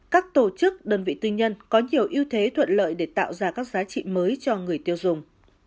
các tổ chức đơn vị tư nhân có nhiều ưu thế thuận lợi để tạo ra các giá trị mới cho người tiêu dùng